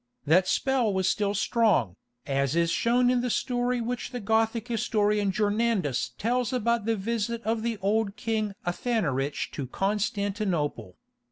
That spell was still strong, as is shown in the story which the Gothic historian Jornandes tells about the visit of the old King Athanarich to Constantinople.